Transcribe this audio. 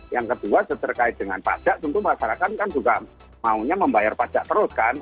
yang kedua seterkait dengan pajak tentu masyarakat kan juga maunya membayar pajak terus kan